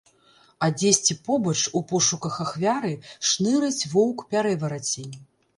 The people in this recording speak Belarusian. А дзесьці побач у пошуках ахвяры шнырыць воўк-пярэварацень.